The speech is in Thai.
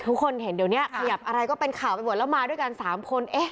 ทุกคนเห็นเดี๋ยวนี้ขยับอะไรก็เป็นข่าวไปหมดแล้วมาด้วยกัน๓คน